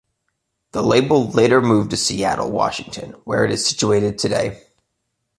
The label later moved to Seattle, Washington where it is situated today.